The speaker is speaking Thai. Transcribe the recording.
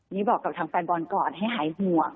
นี่บอกกับทางแฟนบอลก่อนให้หายห่วง